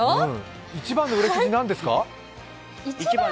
一番の売れ筋は何ですか？